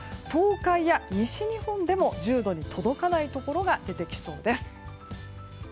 東海や西日本でも１０度に届かないところが出てきそうです。